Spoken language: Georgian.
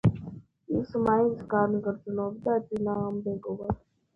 ის მაინც განაგრძობდა წინააღმდეგობას.